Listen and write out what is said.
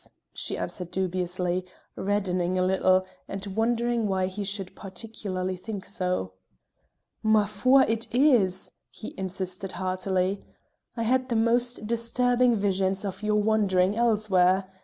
she answered dubiously, reddening a little, and wondering why he should particularly think it so. "Ma foi! it is," he insisted heartily. "I had the most disturbing visions of your wandering elsewhere.